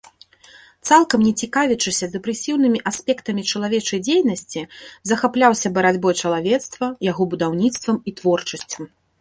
Цалкам не цікавячыся дэпрэсіўнымі аспектамі чалавечай дзейнасці, захапляўся барацьбой чалавецтва, яго будаўніцтвам і творчасцю.